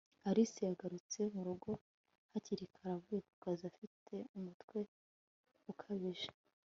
alice yagarutse murugo hakiri kare avuye kukazi afite umutwe ukabije